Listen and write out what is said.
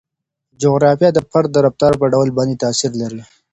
جغرافیه د فرد د رفتار په ډول باندې تاثیر لري.